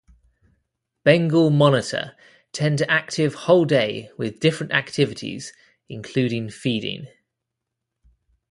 Bengal monitor tend to active whole day with different activities including feeding.